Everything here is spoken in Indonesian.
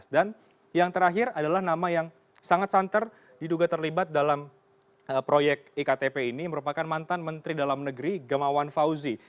dan yang terakhir adalah nama yang sangat santer diduga terlibat dalam proyek iktp ini merupakan mantan menteri dalam negeri gemawan fauzi